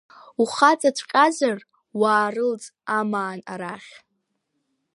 Ухаҵаҵәҟьазар уаарылҵ, Амаан, арахь!